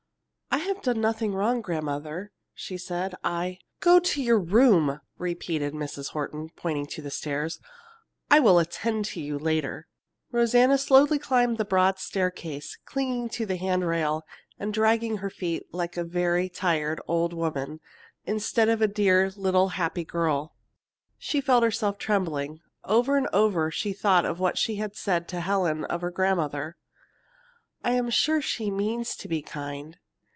"I have done nothing wrong, grandmother," she said. "I " "Go to your room!" repeated Mrs. Horton, pointing to the stairs. "I will attend to you later." Rosanna slowly climbed the broad staircase, clinging to the handrail and dragging her feet like a very tired old woman instead of a dear little happy girl. She felt herself trembling. Over and over she thought of what she had just said to Helen of her grandmother: "I am sure she means to be kind."